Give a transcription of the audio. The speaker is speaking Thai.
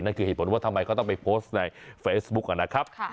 นั่นคือเหตุผลว่าทำไมเค้าต้องไปในเฟซบุ๊คนะครับ